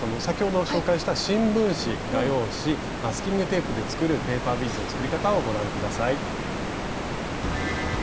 先ほど紹介した新聞紙画用紙マスキングテープで作るペーパービーズの作り方をご覧下さい。